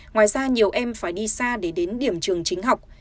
ngoài ra nhiều em phải đi xa để đến điểm trường chính học